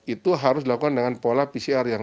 itu harus dilakukan dengan pola pcr yang